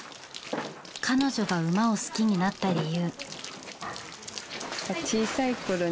彼女が馬を好きになった理由。